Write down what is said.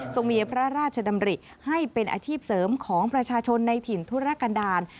ส่งมีพระราชดำริให้เป็นอาชีพเสริมของประชาชนในถิ่นธุรกันดาล